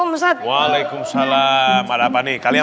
assalamualaikum warahmatullah wabarakatuh